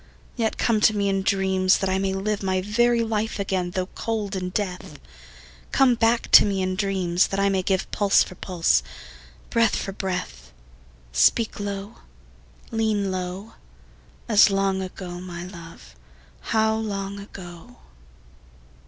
Yet come to me in dreams, that I may live My very life again though cold in death: Come back to me in dreams, that I may give Pulse for pulse, breath for breath: Speak low, lean low, As long ago, my love, how long ago!